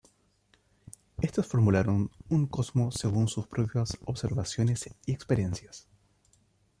Estos formularon un cosmos según sus propias observaciones y experiencias.